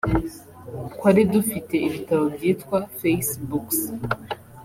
”twari dufite ibitabo byitwa Face Books